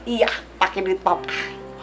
iya pake duit papah